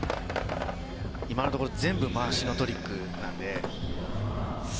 今のところ全部回しのトリックなんで。